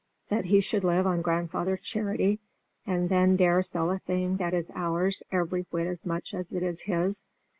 that he should live on grandfather's charity, and then dare sell a thing that is ours every whit as much as it is his?